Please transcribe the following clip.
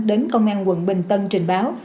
đến công an quận bình tân trình báo